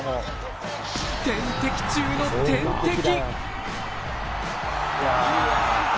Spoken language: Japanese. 天敵中の天敵